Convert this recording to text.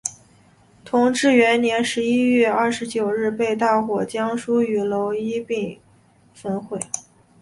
同治元年十一月二十九日被大火将书与楼一并焚毁。